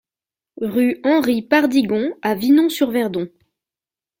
Rue Henri Pardigon à Vinon-sur-Verdon